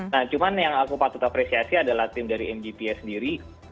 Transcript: nah cuman yang aku patut apresiasi adalah tim dari mgpa sendiri